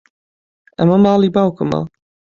ئەمە ماڵی باوکمە.